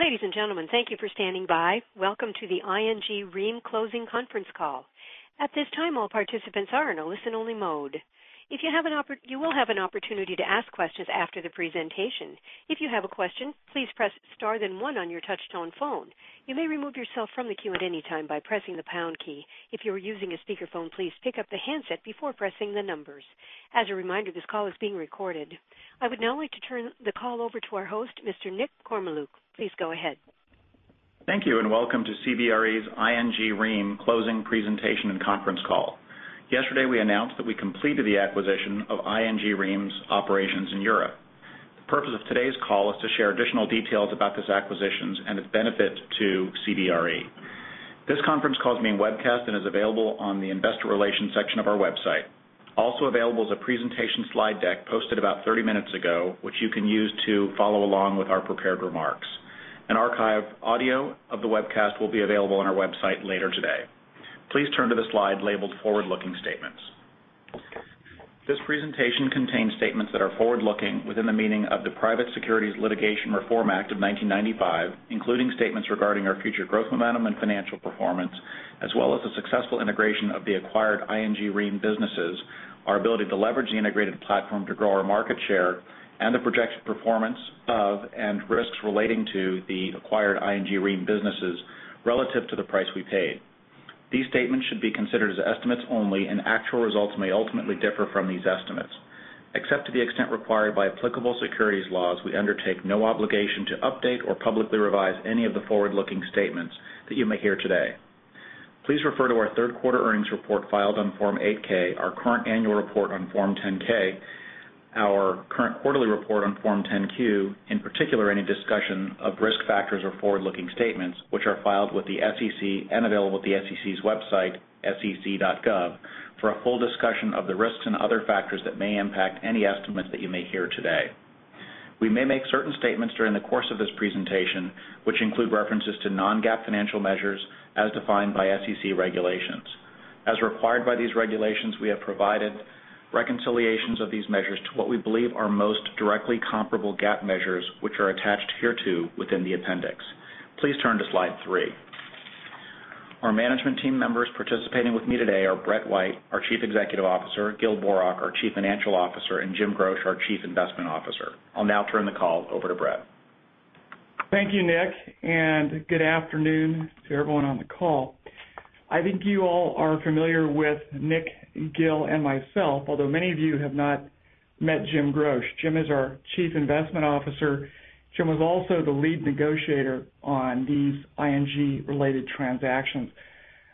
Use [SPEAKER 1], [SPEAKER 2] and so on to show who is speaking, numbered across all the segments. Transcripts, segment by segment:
[SPEAKER 1] Ladies and gentlemen, thank you for standing by. Welcome to the ING REIM Closing Conference Call. At this time, all participants are in a listen-only mode. You will have an opportunity to ask questions after the presentation. If you have a question, please press *1 on your touch-tone phone. You may remove yourself from the queue at any time by pressing the pound key. If you are using a speaker phone, please pick up the handset before pressing the numbers. As a reminder, this call is being recorded. I would now like to turn the call over to our host, Mr. Nick Kormeluk. Please go ahead.
[SPEAKER 2] Thank you and welcome to CBRE's ING REIM Closing Presentation and Conference Call. Yesterday, we announced that we completed the acquisition of ING REIM's operations in Europe. The purpose of today's call is to share additional details about this acquisition and its benefit to CBRE. This conference call is being webcast and is available on the Investor Relations section of our website. Also available is a presentation slide deck posted about 30 minutes ago, which you can use to follow along with our prepared remarks. An archived audio of the webcast will be available on our website later today. Please turn to the slide labeled "Forward-Looking Statements." This presentation contains statements that are forward-looking within the meaning of the Private Securities Litigation Reform Act of 1995, including statements regarding our future growth momentum and financial performance, as well as the successful integration of the acquired ING REIM businesses, our ability to leverage the integrated platform to grow our market share, and the projected performance of and risks relating to the acquired ING REIM businesses relative to the price we paid. These statements should be considered as estimates only, and actual results may ultimately differ from these estimates. Except to the extent required by applicable securities laws, we undertake no obligation to update or publicly revise any of the forward-looking statements that you may hear today. Please refer to our third quarter earnings report filed on Form 8-K, our current annual report on Form 10-K, our current quarterly report on Form 10-Q, in particular any discussion of risk factors or forward-looking statements, which are filed with the SEC and available at the SEC's website, sec.gov, for a full discussion of the risks and other factors that may impact any estimates that you may hear today. We may make certain statements during the course of this presentation, which include references to non-GAAP financial measures as defined by SEC regulations. As required by these regulations, we have provided reconciliations of these measures to what we believe are most directly comparable GAAP measures, which are attached here to within the appendix. Please turn to slide three. Our management team members participating with me today are Brett White, our Chief Executive Officer, Gil Borok, our Chief Financial Officer, and Jim Groch, our Chief Investment Officer. I'll now turn the call over to Brett.
[SPEAKER 3] Thank you, Nick, and good afternoon to everyone on the call. I think you all are familiar with Nick, Gil, and myself, although many of you have not met Jim Groch. Jim is our Chief Investment Officer. Jim was also the lead negotiator on these ING-related transactions.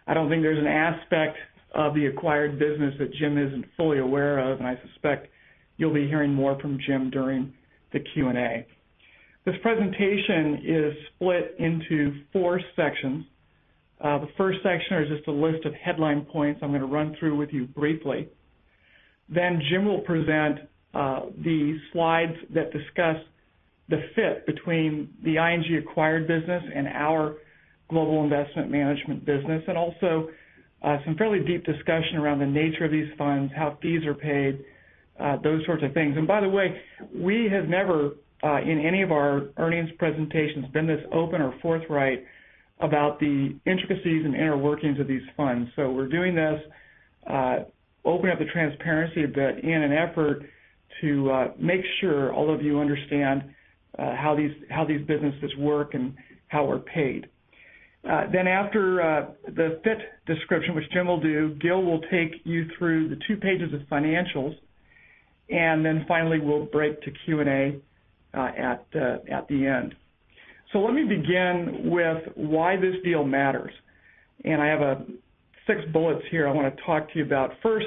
[SPEAKER 3] I don't think there's an aspect of the acquired business that Jim isn't fully aware of, and I suspect you'll be hearing more from Jim during the Q&A. This presentation is split into four sections. The first section is just a list of headline points I'm going to run through with you briefly. Jim will present the slides that discuss the fit between the ING acquired business and our global investment management business, and also some fairly deep discussion around the nature of these funds, how fees are paid, those sorts of things. By the way, we have never in any of our earnings presentations been this open or forthright about the intricacies and inner workings of these funds. We are doing this to open up the transparency a bit in an effort to make sure all of you understand how these businesses work and how we're paid. After the fit description, which Jim will do, Gil will take you through the two pages of financials, and finally we'll break to Q&A at the end. Let me begin with why this deal matters. I have six bullets here I want to talk to you about. First,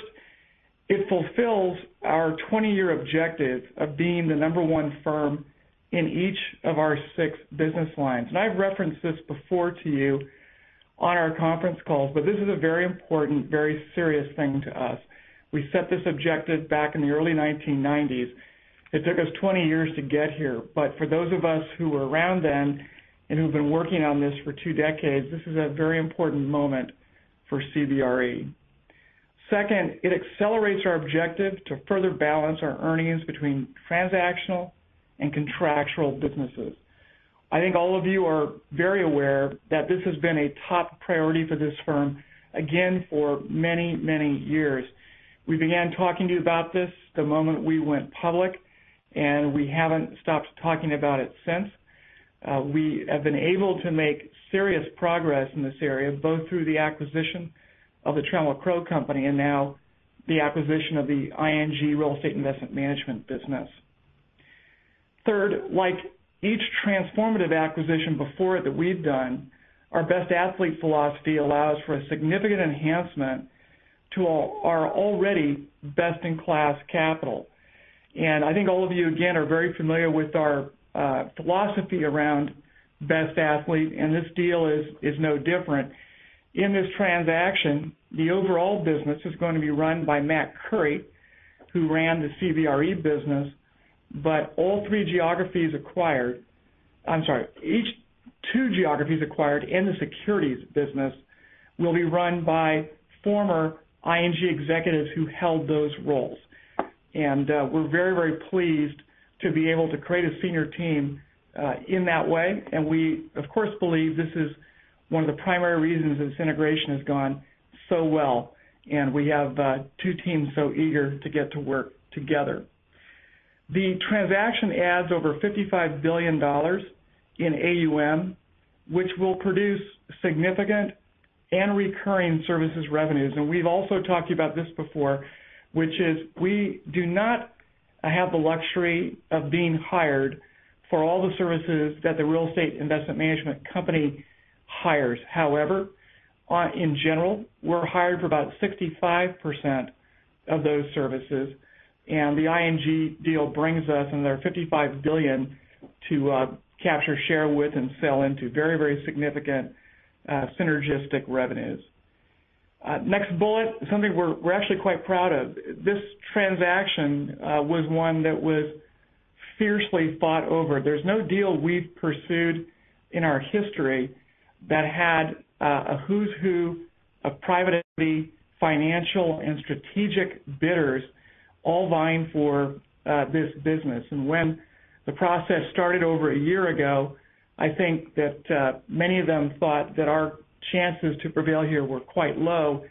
[SPEAKER 3] it fulfills our 20-year objective of being the number one firm in each of our six business lines. I've referenced this before to you on our conference calls, but this is a very important, very serious thing to us. We set this objective back in the early 1990s. It took us 20 years to get here, but for those of us who were around then and who've been working on this for two decades, this is a very important moment for CBRE. Second, it accelerates our objective to further balance our earnings between transactional and contractual businesses. I think all of you are very aware that this has been a top priority for this firm again for many, many years. We began talking to you about this the moment we went public, and we haven't stopped talking about it since. We have been able to make serious progress in this area, both through the acquisition of the Trammell Crow Company and now the acquisition of the ING Real Estate Investment Management business. Third, like each transformative acquisition before it that we've done, our Best Athlete philosophy allows for a significant enhancement to our already best-in-class capital. I think all of you again are very familiar with our philosophy around Best Athlete, and this deal is no different. In this transaction, the overall business is going to be run by Matt Currie, who ran the CBRE business, but all three geographies acquired, I'm sorry, each two geographies acquired in the securities business will be run by former ING executives who held those roles. We are very, very pleased to be able to create a senior team in that way, and we of course believe this is one of the primary reasons this integration has gone so well, and we have two teams so eager to get to work together. The transaction adds over $55 billion in AUM, which will produce significant and recurring services revenues. We've also talked to you about this before, which is we do not have the luxury of being hired for all the services that the Real Estate Investment Management Company hires. However, in general, we're hired for about 65% of those services, and the ING deal brings us in their $55 billion to capture share with and sell into very, very significant synergistic revenues. Next bullet, something we're actually quite proud of. This transaction was one that was fiercely fought over. There's no deal we've pursued in our history that had a who's who of private equity, financial, and strategic bidders all vying for this business. When the process started over a year ago, I think that many of them thought that our chances to prevail here were quite low.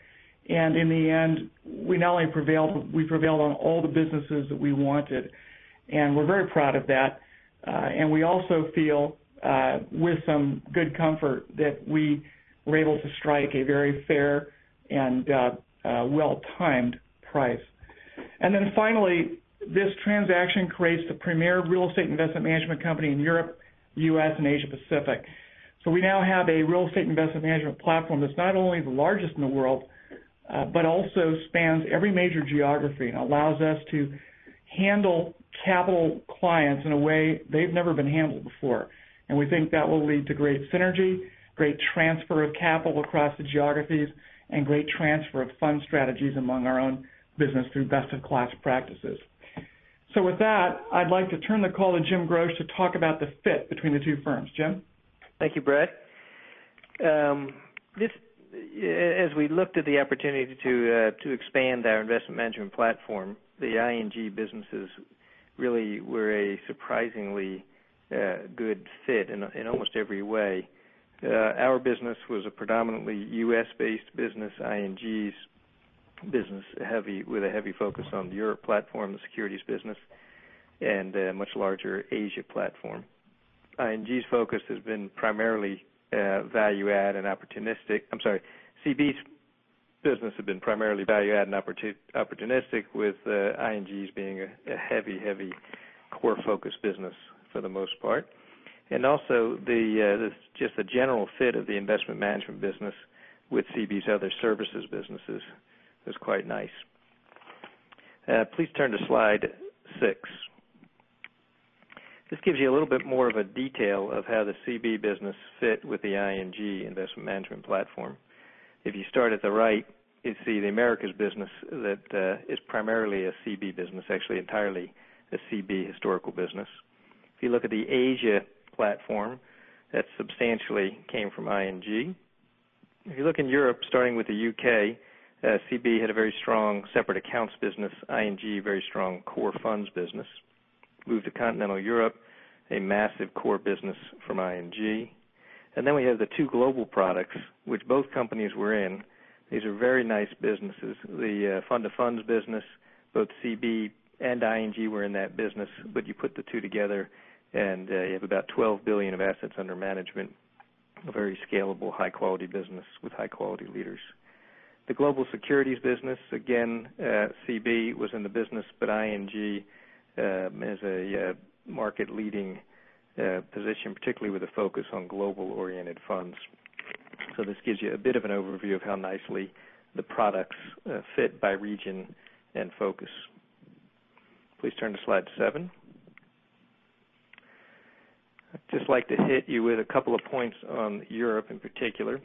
[SPEAKER 3] In the end, we not only prevailed, but we prevailed on all the businesses that we wanted, and we're very proud of that. We also feel with some good comfort that we were able to strike a very fair and well-timed price. Finally, this transaction creates the premier Real Estate Investment Management Company in Europe, U.S., and Asia Pacific. We now have a Real Estate Investment Management platform that's not only the largest in the world, but also spans every major geography and allows us to handle capital clients in a way they've never been handled before. We think that will lead to great synergy, great transfer of capital across the geographies, and great transfer of fund strategies among our own business through best-in-class practices. With that, I'd like to turn the call to Jim Groch to talk about the fit between the two firms. Jim?
[SPEAKER 4] Thank you, Brett. As we looked at the opportunity to expand our investment management platform, the ING businesses really were a surprisingly good fit in almost every way. Our business was a predominantly U.S.-based business, ING's business with a heavy focus on the Europe platform, the securities business, and a much larger Asia platform. ING's focus has been primarily value-add and opportunistic. I'm sorry, CB's business has been primarily value-add and opportunistic, with ING's being a heavy, heavy core-focused business for the most part. Also, just the general fit of the investment management business with CB's other services businesses was quite nice. Please turn to slide six. This gives you a little bit more of a detail of how the CB business fit with the ING investment management platform. If you start at the right, you'd see the Americas business that is primarily a CB business, actually entirely a CB historical business. If you look at the Asia platform, that substantially came from ING. If you look in Europe, starting with the UK, CB had a very strong separate accounts business, ING a very strong core funds business. Move to continental Europe, a massive core business from ING. We have the two global products, which both companies were in. These are very nice businesses. The fund-to-funds business, both CB and ING were in that business, but you put the two together and you have about $12 billion of assets under management, a very scalable, high-quality business with high-quality leaders. The global securities business, again, CB was in the business, but ING is a market-leading position, particularly with a focus on global-oriented funds. This gives you a bit of an overview of how nicely the products fit by region and focus. Please turn to slide seven. I'd just like to hit you with a couple of points on Europe in particular.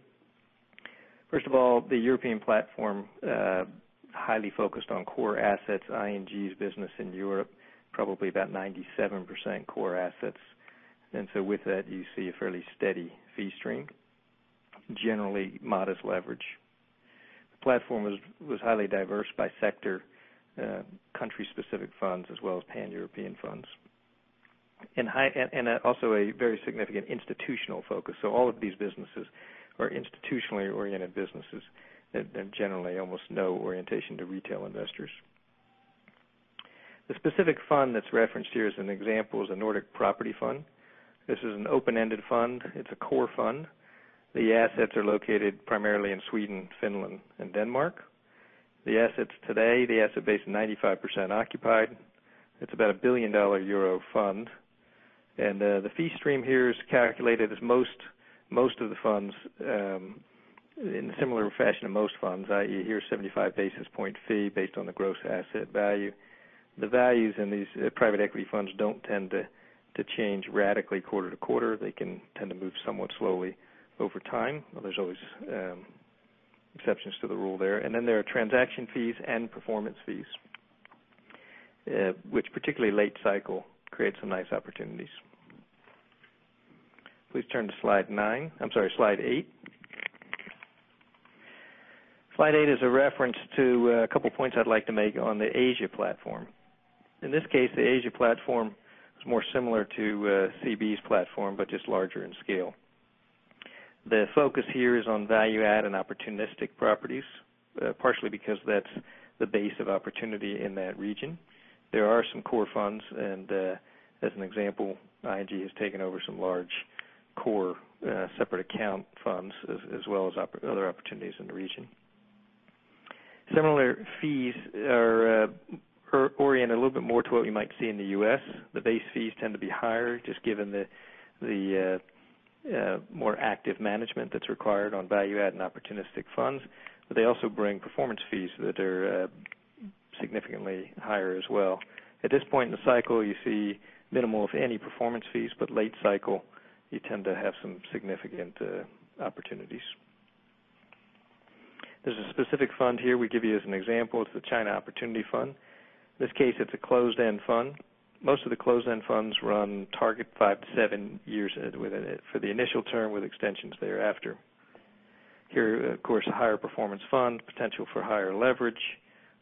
[SPEAKER 4] First of all, the European platform highly focused on core assets, ING's business in Europe, probably about 97% core assets. With that, you see a fairly steady fee stream, generally modest leverage. The platform was highly diverse by sector, country-specific funds, as well as pan-European funds. Also a very significant institutional focus. All of these businesses are institutionally oriented businesses. They're generally almost no orientation to retail investors. The specific fund that's referenced here as an example is a Nordic Property Fund. This is an open-ended fund. It's a core fund. The assets are located primarily in Sweden, Finland, and Denmark. The assets today, the asset base is 95% occupied. It's about a 1 billion euro fund. The fee stream here is calculated as most of the funds in a similar fashion to most funds, i.e., here's a 75 basis point fee based on the gross asset value. The values in these private equity funds don't tend to change radically quarter to quarter. They can tend to move somewhat slowly over time, but there's always exceptions to the rule there. There are transaction fees and performance fees, which particularly late cycle create some nice opportunities. Please turn to slide nine. I'm sorry, slide eight. Slide eight is a reference to a couple of points I'd like to make on the Asia platform. In this case, the Asia platform is more similar to CB's platform, but just larger in scale. The focus here is on value-add and opportunistic properties, partially because that's the base of opportunity in that region. There are some core funds, and as an example, ING has taken over some large core separate account funds, as well as other opportunities in the region. Similar fees are oriented a little bit more to what we might see in the U.S. The base fees tend to be higher, just given the more active management that's required on value-add and opportunistic funds. They also bring performance fees that are significantly higher as well. At this point in the cycle, you see minimal, if any, performance fees, but late cycle, you tend to have some significant opportunities. There's a specific fund here we give you as an example. It's the China Opportunity Fund. In this case, it's a closed-end fund. Most of the closed-end funds run target five to seven years for the initial term, with extensions thereafter. Here, of course, a higher performance fund, potential for higher leverage.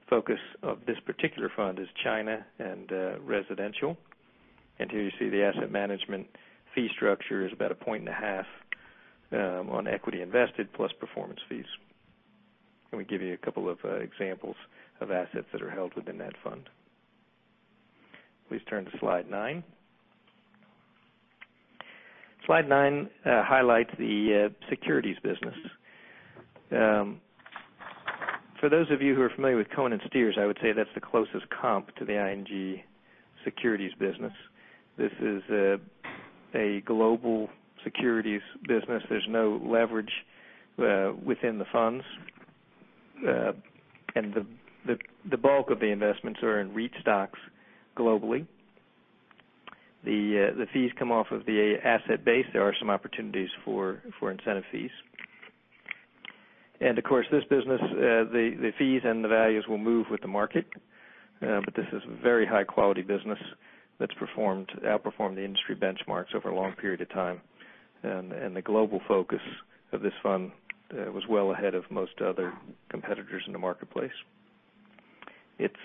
[SPEAKER 4] The focus of this particular fund is China and residential. Here you see the asset management fee structure is about a point and a half on equity invested plus performance fees. We give you a couple of examples of assets that are held within that fund. Please turn to slide nine. Slide nine highlights the securities business. For those of you who are familiar with Cohen & Steers, I would say that's the closest comp to the ING securities business. This is a global securities business. There's no leverage within the funds. The bulk of the investments are in REIT stocks globally. The fees come off of the asset base. There are some opportunities for incentive fees. Of course, this business, the fees and the values will move with the market. This is a very high-quality business that's outperformed the industry benchmarks over a long period of time. The global focus of this fund was well ahead of most other competitors in the marketplace.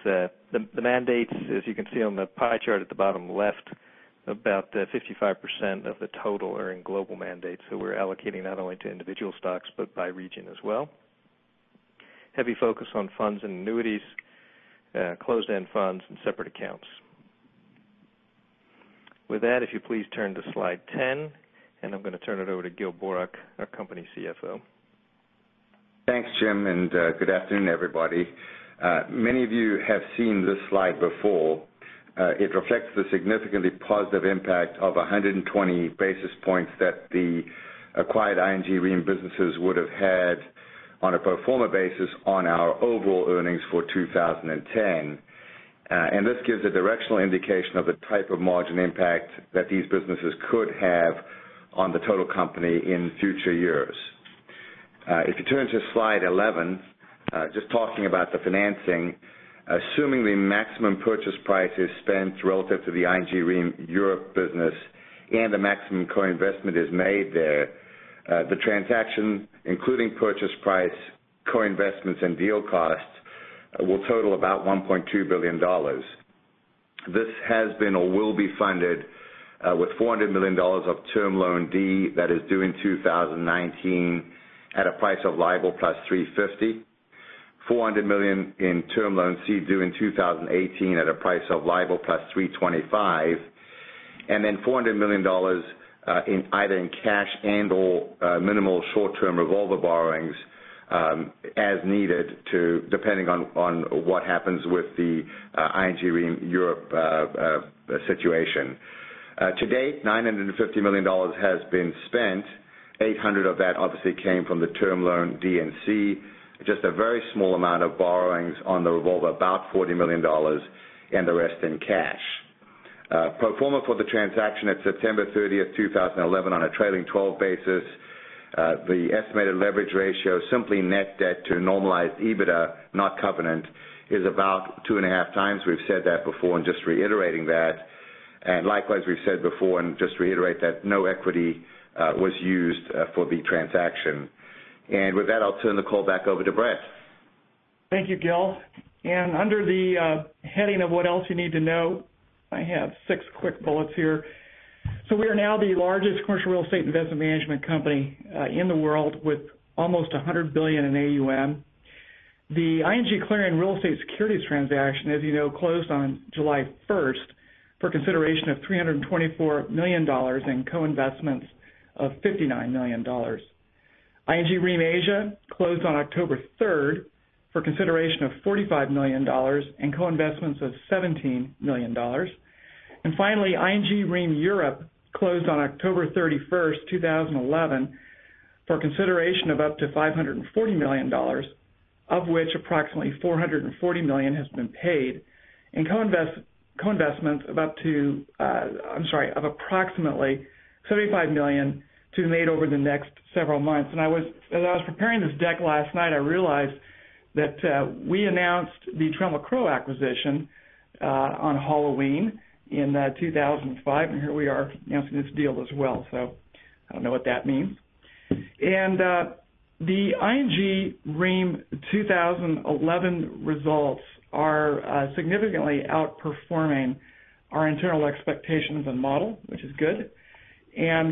[SPEAKER 4] The mandates, as you can see on the pie chart at the bottom left, about 55% of the total are in global mandates. We're allocating not only to individual stocks, but by region as well. Heavy focus on funds and annuities, closed-end funds, and separate accounts. With that, if you please turn to slide 10, I'm going to turn it over to Gil Borok, our company CFO.
[SPEAKER 5] Thanks, Jim, and good afternoon, everybody. Many of you have seen this slide before. It reflects the significantly positive impact of 120 basis points that the acquired ING REIM businesses would have had on a pro forma basis on our overall earnings for 2010. This gives a directional indication of the type of margin impact that these businesses could have on the total company in future years. If you turn to slide 11, just talking about the financing, assuming the maximum purchase price is spent relative to the ING REIM Europe business and the maximum co-investment is made there, the transaction, including purchase price, co-investments, and deal costs, will total about $1.2 billion. This has been or will be funded with $400 million of Term Loan D that is due in 2019 at a price of LIBOR plus 350, $400 million in Term Loan C due in 2018 at a price of LIBOR plus 325, and then $400 million in either cash and/or minimal short-term revolver borrowings as needed, depending on what happens with the ING REIM Europe situation. To date, $950 million has been spent. $800 million of that obviously came from the Term Loan D and C, just a very small amount of borrowings on the revolver, about $40 million, and the rest in cash. Performance for the transaction at September 30, 2011, on a trailing 12 basis. The estimated leverage ratio, simply net debt to normalized EBITDA, not covenant, is about 2.5x. We've said that before and just reiterating that. Likewise, we've said before and just reiterate that no equity was used for the transaction. With that, I'll turn the call back over to Brett.
[SPEAKER 3] Thank you, Gil. Under the heading of what else you need to know, I have six quick bullets here. We are now the largest commercial real estate investment management company in the world with almost $100 billion in AUM. The ING Clarion Real Estate Securities transaction, as you know, closed on July 1st for consideration of $324 million and co-investments of $59 million. ING REIM Asia closed on October 3rd for consideration of $45 million and co-investments of $17 million. Finally, ING REIM Europe closed on October 31st, 2011, for consideration of up to $540 million, of which approximately $440 million has been paid and co-investments of approximately $75 million to be made over the next several months. As I was preparing this deck last night, I realized that we announced the Trammell Crow acquisition on Halloween in 2005, and here we are announcing this deal as well. I don't know what that means. The ING REIM 2011 results are significantly outperforming our internal expectations and model, which is good.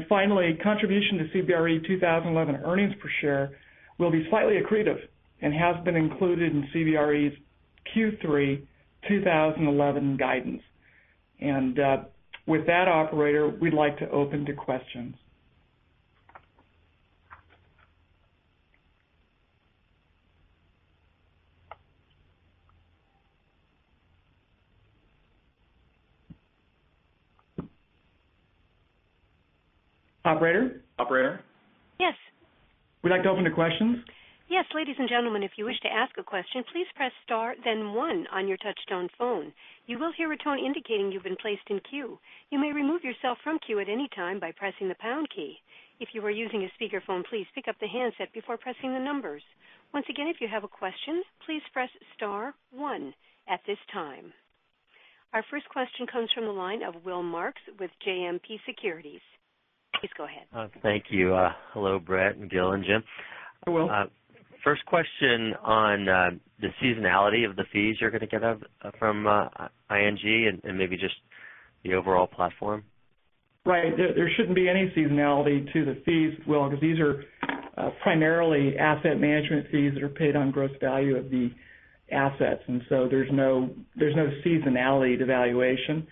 [SPEAKER 3] Finally, contribution to CBRE 2011 earnings per share will be slightly accretive and has been included in CBRE's Q3 2011 guidance. With that, operator, we'd like to open to questions. Operator? Operator?
[SPEAKER 1] Yes.
[SPEAKER 3] We'd like to open to questions.
[SPEAKER 1] Yes, ladies and gentlemen, if you wish to ask a question, please press *1 on your touch-tone phone. You will hear a tone indicating you've been placed in queue. You may remove yourself from queue at any time by pressing the pound key. If you are using a speaker phone, please pick up the handset before pressing the numbers. Once again, if you have a question, please press *1 at this time. Our first question comes from the line of Will Marks with JMP Securities. Please go ahead.
[SPEAKER 6] Thank you. Hello, Brett, Gil, and Jim.
[SPEAKER 3] Hi, Will.
[SPEAKER 6] First question on the seasonality of the fees you're going to get from ING and maybe just the overall platform.
[SPEAKER 3] Right. There shouldn't be any seasonality to the fees, Will, because these are primarily asset management fees that are paid on gross value of the assets. There is no seasonality to valuation.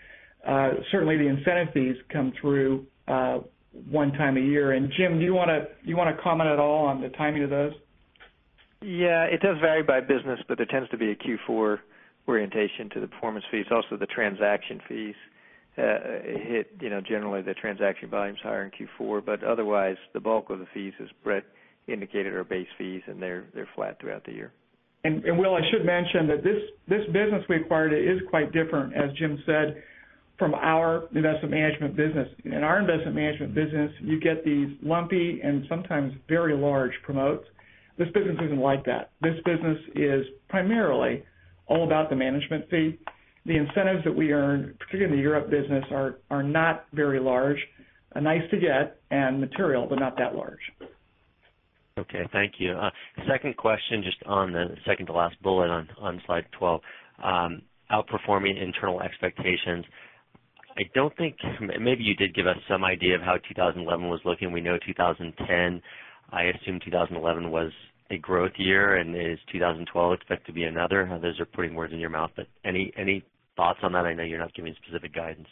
[SPEAKER 3] Certainly, the incentive fees come through one time a year. Jim, do you want to comment at all on the timing of those?
[SPEAKER 4] Yeah, it does vary by business, but there tends to be a Q4 orientation to the performance fees. Also, the transaction fees hit, you know, generally the transaction volumes are higher in Q4. Otherwise, the bulk of the fees, as Brett indicated, are base fees and they're flat throughout the year.
[SPEAKER 3] Will, I should mention that this business we acquired is quite different, as Jim said, from our investment management business. In our investment management business, you get these lumpy and sometimes very large promotes. This business isn't like that. This business is primarily all about the management fee. The incentives that we earn, particularly in the Europe business, are not very large. Nice to get and material, but not that large.
[SPEAKER 6] Okay, thank you. Second question, just on the second to last bullet on slide 12, outperforming internal expectations. I don't think, maybe you did give us some idea of how 2011 was looking. We know 2010, I assume 2011 was a growth year and is 2012 expected to be another. Those are putting words in your mouth, but any thoughts on that? I know you're not giving specific guidance.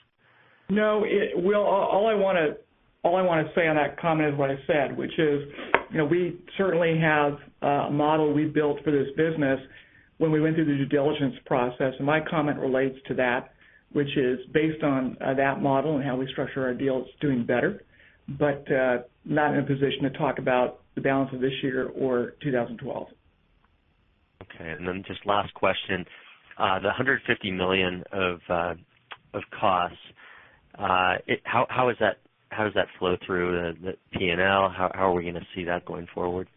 [SPEAKER 3] No, Will, all I want to say on that comment is what I said, which is, you know, we certainly have a model we built for this business when we went through the due diligence process. My comment relates to that, which is based on that model and how we structure our deals, doing better, but not in a position to talk about the balance of this year or 2012.
[SPEAKER 6] Okay, and then just last question. The $150 million of costs, how does that flow through the P&L? How are we going to see that going forward?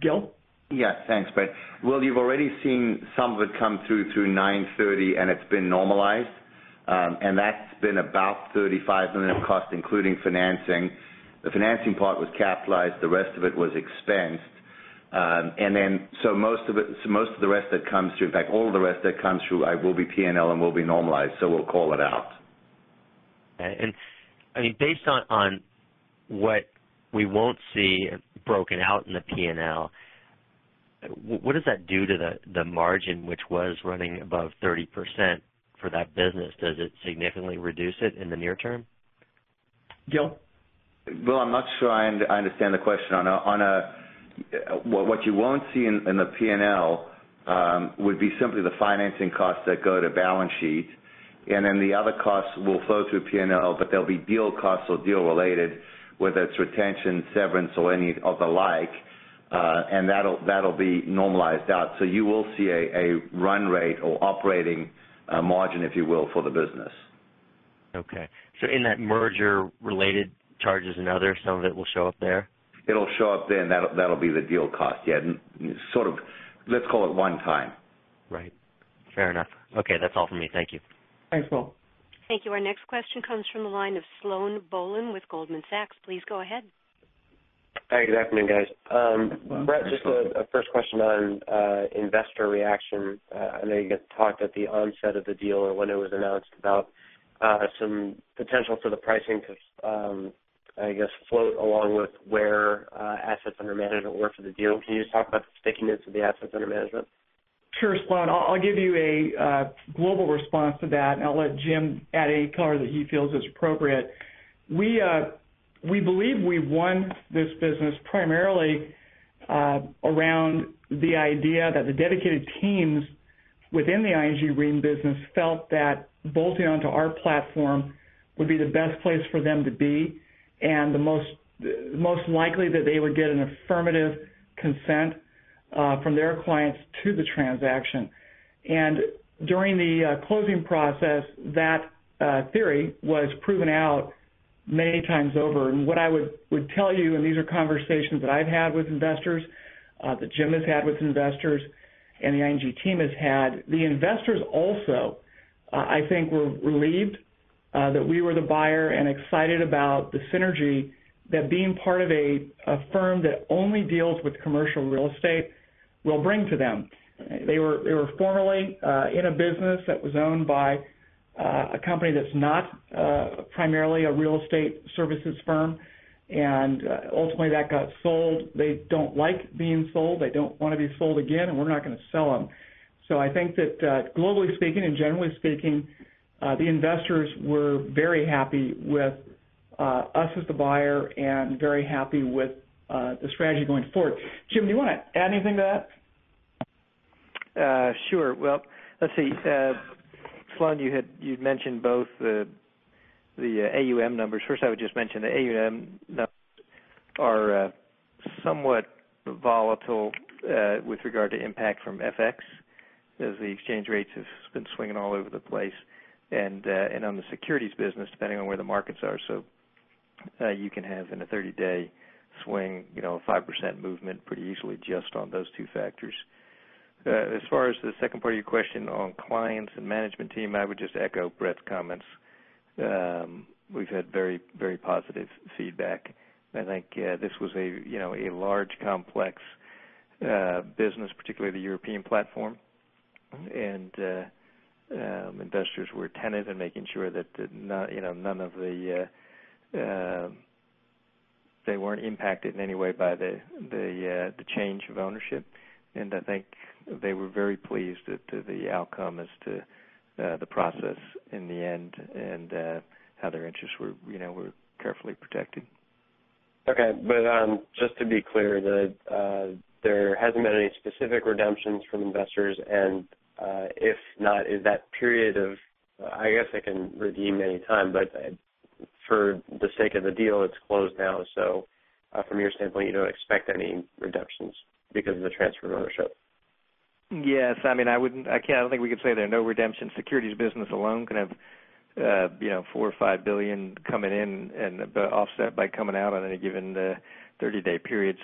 [SPEAKER 3] Gil?
[SPEAKER 5] Yeah, thanks, Brett. You've already seen some of it come through through 9/30 and it's been normalized. That's been about $35 million of cost, including financing. The financing part was capitalized. The rest of it was expensed. Most of the rest that comes through, in fact, all of the rest that comes through will be P&L and will be normalized. We'll call it out.
[SPEAKER 6] Okay, I mean, based on what we won't see broken out in the P&L, what does that do to the margin, which was running above 30% for that business? Does it significantly reduce it in the near term?
[SPEAKER 3] Gil?
[SPEAKER 5] I'm not sure I understand the question. What you won't see in the P&L would be simply the financing costs that go to balance sheet. The other costs will flow through P&L, but they'll be deal costs or deal related, whether it's retention, severance, or any of the like. That'll be normalized out. You will see a run rate or operating margin, if you will, for the business.
[SPEAKER 6] Okay, so in that merger-related charges and others, some of it will show up there?
[SPEAKER 5] It'll show up there, and that'll be the deal cost. Yeah, sort of, let's call it one time.
[SPEAKER 6] Right, fair enough. Okay, that's all for me. Thank you.
[SPEAKER 3] Thanks, Will.
[SPEAKER 1] Thank you. Our next question comes from the line of Sloan Bohlen with Goldman Sachs. Please go ahead.
[SPEAKER 7] Hey, good afternoon, guys. Brett, just a first question on investor reaction. I know you guys talked at the onset of the deal or when it was announced about some potential for the pricing to, I guess, float along with where assets under management were for the deal. Can you just talk about the stickiness of the assets under management?
[SPEAKER 3] Sure, Sloan, I'll give you a global response to that, and I'll let Jim add any color that he feels is appropriate. We believe we won this business primarily around the idea that the dedicated teams within the ING REIM business felt that bolting onto our platform would be the best place for them to be, and the most likely that they would get an affirmative consent from their clients to the transaction. During the closing process, that theory was proven out many times over. What I would tell you, and these are conversations that I've had with investors, that Jim has had with investors, and the ING team has had, the investors also, I think, were relieved that we were the buyer and excited about the synergy that being part of a firm that only deals with commercial real estate will bring to them. They were formerly in a business that was owned by a company that's not primarily a real estate services firm, and ultimately that got sold. They don't like being sold. They don't want to be sold again, and we're not going to sell them. I think that globally speaking and generally speaking, the investors were very happy with us as the buyer and very happy with the strategy going forward. Jim, do you want to add anything to that?
[SPEAKER 4] Sure. Let's see. Sloan, you had mentioned both the AUM numbers. First, I would just mention the AUM numbers are somewhat volatile with regard to impact from FX, as the exchange rates have been swinging all over the place. On the securities business, depending on where the markets are, you can have in a 30-day swing a 5% movement pretty easily just on those two factors. As far as the second part of your question on clients and management team, I would just echo Brett's comments. We've had very, very positive feedback. I think this was a large complex business, particularly the European platform. Investors were attentive in making sure that none of the, they weren't impacted in any way by the change of ownership. I think they were very pleased with the outcome as to the process in the end and how their interests were carefully protected.
[SPEAKER 7] Okay, just to be clear, there hasn't been any specific redemptions from investors, and if not, is that period of, I guess I can redeem any time, but for the sake of the deal, it's closed now. From your standpoint, you don't expect any redemptions because of the transfer of ownership?
[SPEAKER 4] Yes, I mean, I wouldn't, I can't, I don't think we could say there are no redemptions. Securities business alone can have, you know, $4 billion or $5 billion coming in and offset by coming out on any given 30-day period.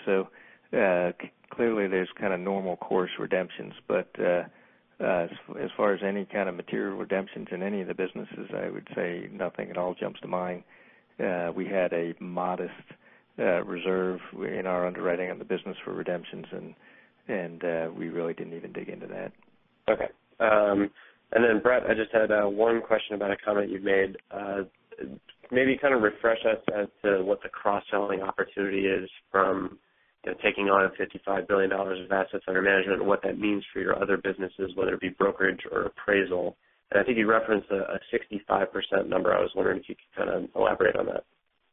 [SPEAKER 4] Clearly, there's kind of normal course redemptions. As far as any kind of material redemptions in any of the businesses, I would say nothing at all jumps to mind. We had a modest reserve in our underwriting of the business for redemptions, and we really didn't even dig into that.
[SPEAKER 7] Okay. Brett, I just had one question about a comment you've made. Maybe kind of refresh us as to what the cross-selling opportunity is from taking on $55 billion of assets under management and what that means for your other businesses, whether it be brokerage or appraisal. I think you referenced a 65% number. I was wondering if you could kind of elaborate on that.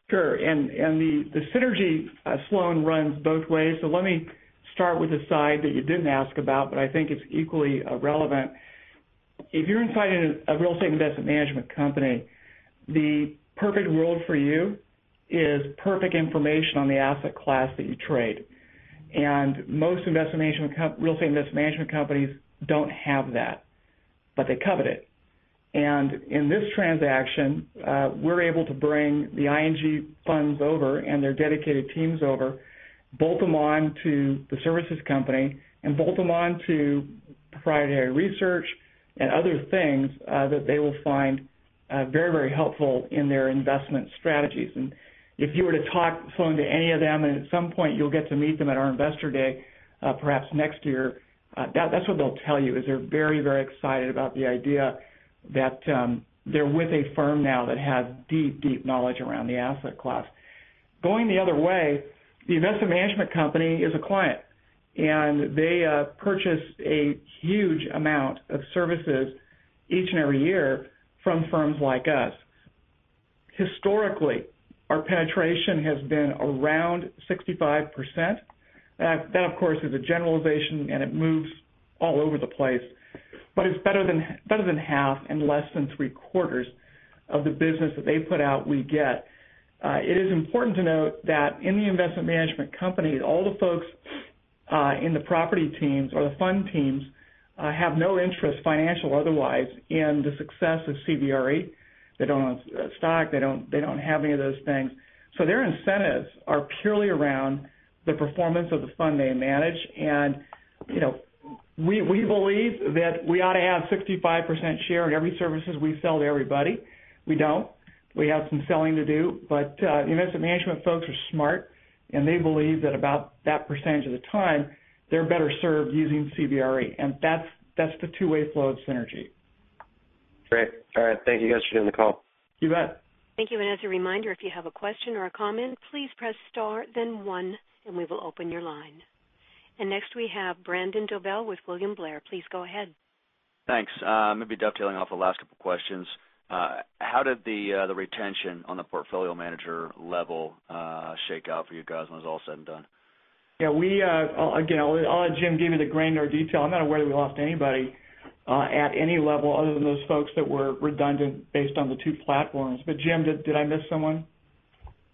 [SPEAKER 3] Sure. The synergy, Sloan, runs both ways. Let me start with a side that you did not ask about, but I think it is equally relevant. If you are in a real estate investment management company, the perfect world for you is perfect information on the asset class that you trade. Most investment management, real estate investment management companies do not have that, but they covet it. In this transaction, we are able to bring the ING funds over and their dedicated teams over, bolt them on to the services company, and bolt them on to proprietary research and other things that they will find very, very helpful in their investment strategies. If you were to talk, Sloan, to any of them, and at some point you will get to meet them at our investor day, perhaps next year, that is what they will tell you. They are very, very excited about the idea that they are with a firm now that has deep, deep knowledge around the asset class. Going the other way, the investment management company is a client, and they purchase a huge amount of services each and every year from firms like us. Historically, our penetration has been around 65%. That, of course, is a generalization, and it moves all over the place. It is better than 1/2 and less than 3/4 of the business that they put out we get. It is important to note that in the investment management companies, all the folks in the property teams or the fund teams have no interest, financial or otherwise, in the success of CBRE. They do not own stock. They do not have any of those things. Their incentives are purely around the performance of the fund they manage. We believe that we ought to have 65% share in every service we sell to everybody. We do not. We have some selling to do. The investment management folks are smart, and they believe that about that percentage of the time, they are better served using CBRE. That is the two-way flow of synergy.
[SPEAKER 7] Great. All right. Thank you guys for doing the call.
[SPEAKER 3] You bet.
[SPEAKER 1] Thank you. As a reminder, if you have a question or a comment, please press *1, and we will open your line. Next, we have Brandon Dobell with William Blair. Please go ahead.
[SPEAKER 8] Thanks. Maybe dovetailing off the last couple of questions, how did the retention on the portfolio manager level shake out for you guys when it was all said and done?
[SPEAKER 3] Yeah, we, again, I'll let Jim give you the granular detail. I'm not aware that we lost anybody at any level other than those folks that were redundant based on the two platforms. Jim, did I miss someone?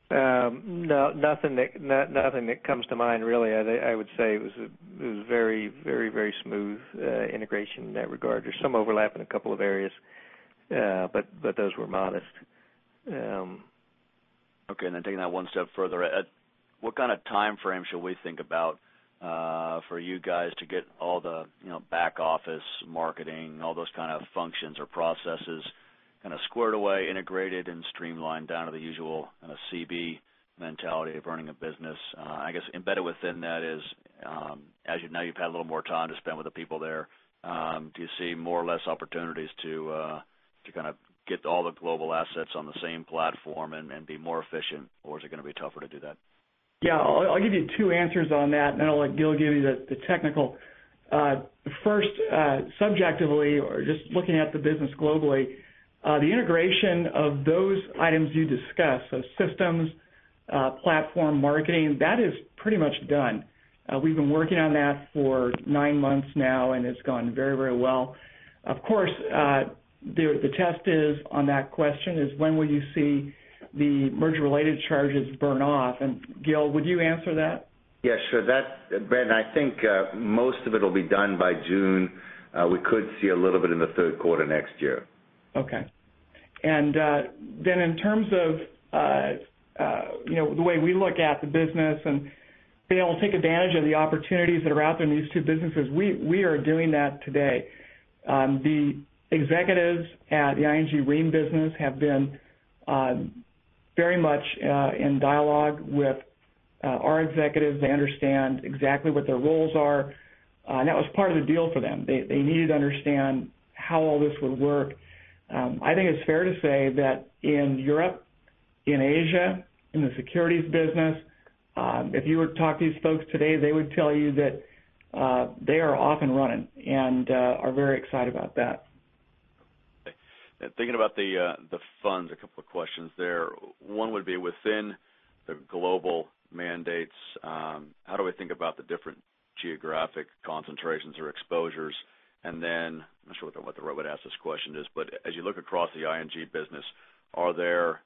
[SPEAKER 4] No, nothing that comes to mind, really. I would say it was very, very, very smooth integration in that regard. There is some overlap in a couple of areas, but those were modest.
[SPEAKER 8] Okay, and then taking that one step further, what kind of timeframe should we think about for you guys to get all the back office, marketing, all those kind of functions or processes squared away, integrated, and streamlined down to the usual kind of CB mentality of running a business? I guess embedded within that is, as you know, you've had a little more time to spend with the people there. Do you see more or less opportunities to get all the global assets on the same platform and be more efficient, or is it going to be tougher to do that?
[SPEAKER 3] Yeah, I'll give you two answers on that, and then I'll let Gil give you the technical. First, subjectively, or just looking at the business globally, the integration of those items you discussed, so systems, platform, marketing, that is pretty much done. We've been working on that for nine months now, and it's gone very, very well. The test on that question is when will you see the merger-related charges burn off? Gil, would you answer that?
[SPEAKER 5] Yeah, sure. Brandon, I think most of it will be done by June. We could see a little bit in the third quarter next year.
[SPEAKER 3] Okay. In terms of the way we look at the business and are able to take advantage of the opportunities that are out there in these two businesses, we are doing that today. The executives at the ING REIM business have been very much in dialogue with our executives. They understand exactly what their roles are. That was part of the deal for them. They needed to understand how all this would work. I think it's fair to say that in Europe, in Asia, in the global securities business, if you would talk to these folks today, they would tell you that they are off and running and are very excited about that.
[SPEAKER 8] Thinking about the funds, a couple of questions there. One would be within the global mandates, how do we think about the different geographic concentrations or exposures? I'm not sure what the right way to ask this question is, but as you look across the ING business, are there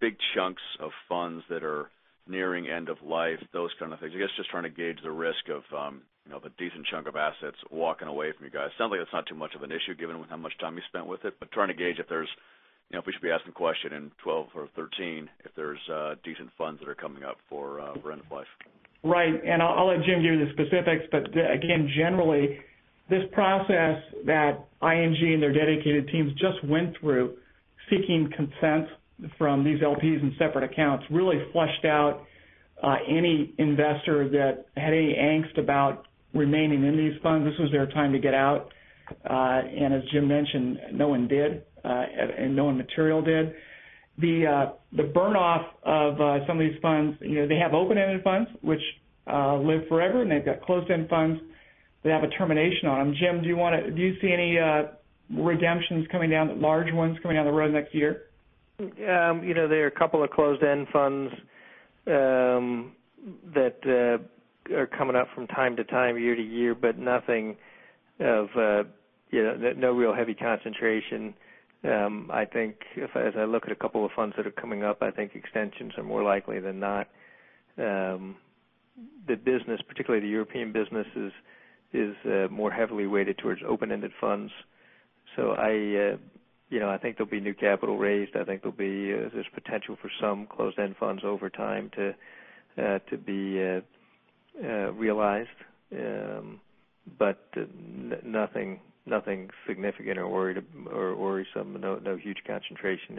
[SPEAKER 8] big chunks of funds that are nearing end of life, those kind of things? I guess just trying to gauge the risk of a decent chunk of assets walking away from you guys. It sounds like that's not too much of an issue given how much time you spent with it, but trying to gauge if there's, you know, if we should be asking the question in 2012 or 2013, if there's decent funds that are coming up for end of life.
[SPEAKER 3] Right. I'll let Jim give you the specifics. Again, generally, this process that ING and their dedicated teams just went through, seeking consent from these LPs in separate accounts, really flushed out any investor that had any angst about remaining in these funds. This was their time to get out. As Jim mentioned, no one did, and no one material did. The burn-off of some of these funds, you know, they have open-ended funds, which live forever, and they've got closed-end funds. They have a termination on them. Jim, do you see any redemptions coming down, large ones coming down the road next year?
[SPEAKER 4] There are a couple of closed-end funds that are coming up from time to time, year to year, but nothing of, you know, no real heavy concentration. I think if I look at a couple of funds that are coming up, I think extensions are more likely than not. The business, particularly the European businesses, is more heavily weighted towards open-ended funds. I think there'll be new capital raised. I think there's potential for some closed-end funds over time to be realized. Nothing significant or worrisome, no huge concentration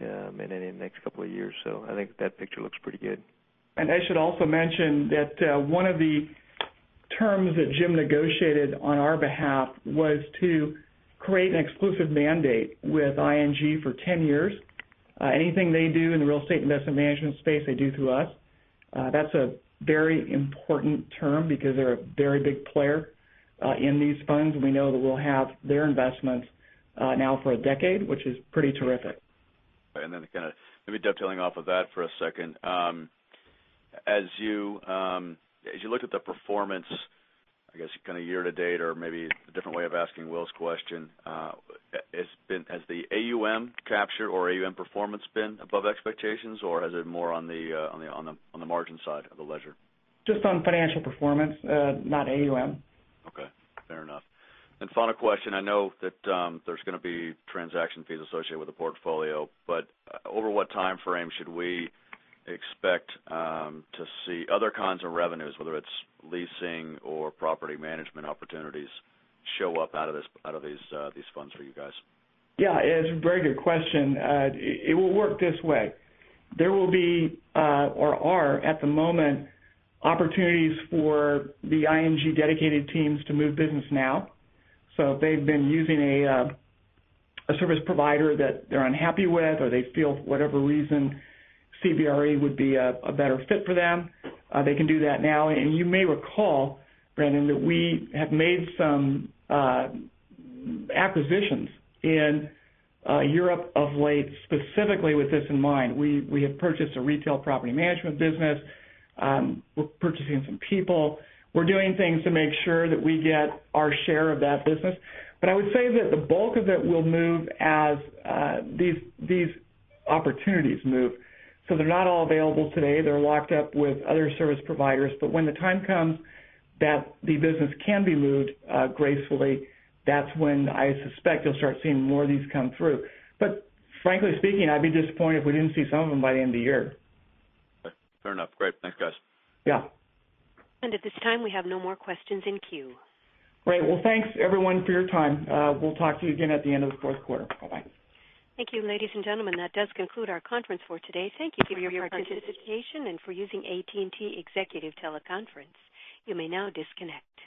[SPEAKER 4] in any next couple of years. I think that picture looks pretty good.
[SPEAKER 3] I should also mention that one of the terms that Jim negotiated on our behalf was to create an exclusive mandate with ING for 10 years. Anything they do in the real estate investment management space, they do through us. That's a very important term because they're a very big player in these funds, and we know that we'll have their investments now for a decade, which is pretty terrific.
[SPEAKER 8] Maybe dovetailing off of that for a second, as you looked at the performance, I guess kind of year to date, or maybe a different way of asking Will's question, has the AUM captured or AUM performance been above expectations, or has it been more on the margin side of the ledger?
[SPEAKER 5] Just on financial performance, not AUM.
[SPEAKER 8] Okay, fair enough. Final question, I know that there's going to be transaction fees associated with the portfolio. Over what timeframe should we expect to see other kinds of revenues, whether it's leasing or property management opportunities, show up out of these funds for you guys?
[SPEAKER 3] Yeah, it's a very good question. It will work this way. There will be, or are at the moment, opportunities for the ING dedicated teams to move business now. If they've been using a service provider that they're unhappy with, or they feel for whatever reason CBRE would be a better fit for them, they can do that now. You may recall, Brandon, that we have made some acquisitions in Europe of late, specifically with this in mind. We have purchased a retail property management business. We're purchasing some people. We're doing things to make sure that we get our share of that business. I would say that the bulk of it will move as these opportunities move. They're not all available today. They're locked up with other service providers. When the time comes that the business can be moved gracefully, that's when I suspect you'll start seeing more of these come through. Frankly speaking, I'd be disappointed if we didn't see some of them by the end of the year.
[SPEAKER 8] Fair enough. Great, thanks, guys.
[SPEAKER 3] Yeah.
[SPEAKER 1] At this time, we have no more questions in queue.
[SPEAKER 3] Great. Thank you everyone for your time. We'll talk to you again at the end of the fourth quarter. Bye-bye.
[SPEAKER 1] Thank you, ladies and gentlemen. That does conclude our conference for today. Thank you for your participation and for using AT&T Executive Teleconference. You may now disconnect.